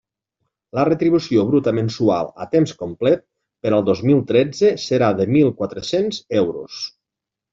La retribució bruta mensual, a temps complet, per al dos mil tretze serà de mil quatre-cents euros.